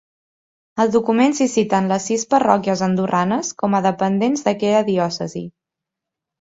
Al document s'hi citen les sis parròquies andorranes com a dependents d'aquella diòcesi.